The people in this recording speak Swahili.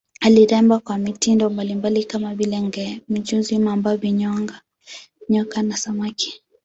Aliremba kwa mitindo mbalimbali kama vile nge, mijusi, mamba, vinyonga, nyoka na samaki.